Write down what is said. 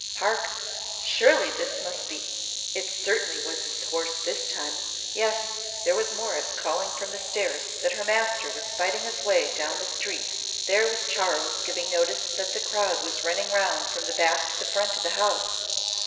Hark! Surely this must be it certainly was his horse this time. Yes there was Morris calling from the stairs that her master was fighting his way down the street! There was Charles giving notice that the crowd was running round from the back to the front of the house!